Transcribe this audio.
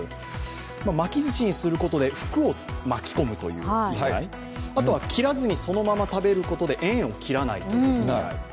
巻きずしにすることで福を巻き込むという意味合い、切らずにそのまま食べることで縁を切らないということがある。